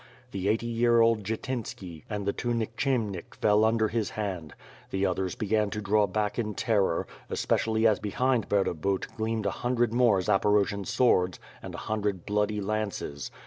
The eighty year old Jytynski and the two Nikchemnikh fell under his hand; the others began to draw back in terror, especially as behind Burdabut gleamed a hundred more Zaporojian swords and a hundred bloody lances.